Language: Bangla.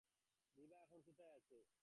বিভা এখন কোথায় আছে?